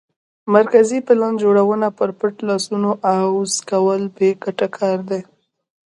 مرکزي پلان جوړونه پر پټ لاسونو عوض کول بې ګټه کار و